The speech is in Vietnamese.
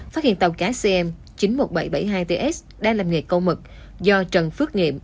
phát hiện tàu cá cm chín mươi một nghìn bảy trăm bảy mươi hai ts đang làm nghề câu mực do trần phước nghiệm